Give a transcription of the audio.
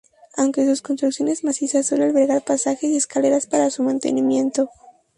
Aunque son construcciones macizas, suele albergar pasajes y escaleras para su mantenimiento.